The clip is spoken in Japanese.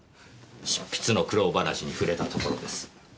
執筆の苦労話に触れたところです。